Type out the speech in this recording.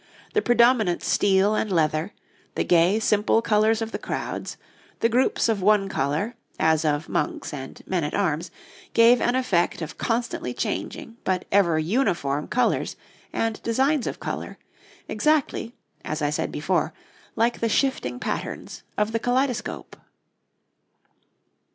the predominant steel and leather, the gay, simple colours of the crowds, the groups of one colour, as of monks and men at arms, gave an effect of constantly changing but ever uniform colours and designs of colour, exactly, as I said before, like the shifting patterns of the kaleidoscope.